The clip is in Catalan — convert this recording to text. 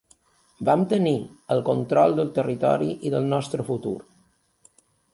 Vam tenir el control del territori i del nostre futur.